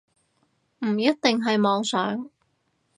唔一定係妄想